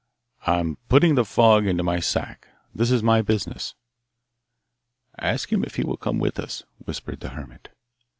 'I am putting the fog into my sack. That is my business.' 'Ask him if he will come with us,' whispered the hermit.